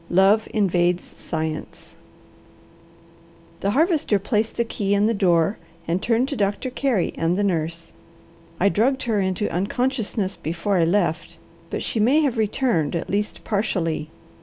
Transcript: LOVE INVADES SCIENCE The Harvester placed the key in the door and turned to Doctor Carey and the nurse. "I drugged her into unconsciousness before I left, but she may have returned, at least partially.